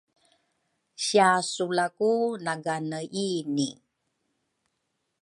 sia Sula ku nagane ini